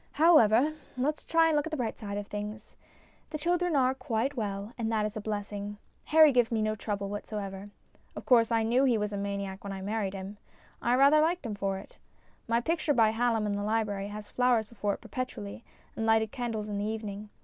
However, let's try and look at the bright side of things. The children are quite well, and that is a blessing. Harry gives me no trouble whatever. Of course I knew he was a maniac when I married him ; I rather liked him for it. My picture by Hallom in the library has flowers before it perpetually, and lighted candles in the evening.